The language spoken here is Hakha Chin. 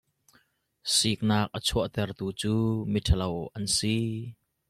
Siknak a chuahtertu cu miṭhalo an si.